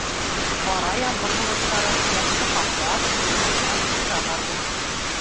Ҡара ямғыр болоттары ҡояшты ҡаплап, ҡуйырғандан-ҡуйыра барҙы.